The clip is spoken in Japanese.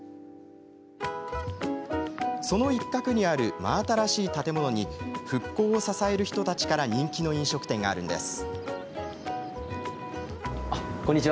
その一角にある真新しい建物に復興を支える人たちから人気の飲食店があるんです。